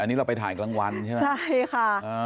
อันนี้เราไปถ่ายกลางวันใช่ไหมใช่ค่ะ